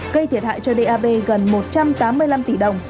gây thiệt hại cho dap gần một trăm tám mươi năm tỷ đồng